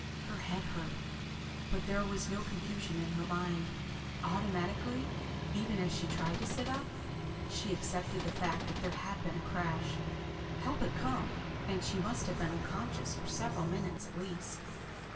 Her head hurt but there was no confusion in her mind. Automatically, even as she tried to sit up, she accepted the fact that there had been a crash, help had come, and she must have been unconscious for several minutes at least.